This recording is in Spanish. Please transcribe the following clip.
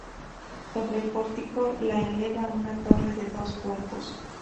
Sobre el pórtico de eleva una torre de dos cuerpos.